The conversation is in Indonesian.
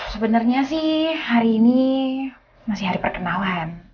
sebenarnya sih hari ini masih hari perkenalan